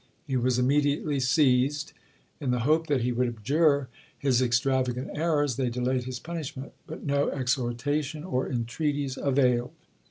He was immediately seized. In the hope that he would abjure his extravagant errors, they delayed his punishment; but no exhortation or entreaties availed.